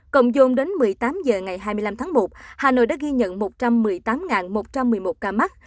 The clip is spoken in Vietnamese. cộng dồn đến một mươi tám h ngày hai mươi năm tháng một hà nội đã ghi nhận một trăm một mươi tám một trăm một mươi một ca mắc